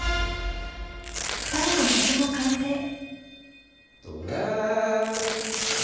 ２人の曲も完成。